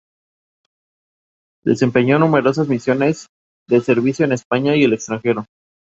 Desempeñó numerosas misiones de servicio en España y en el extranjero.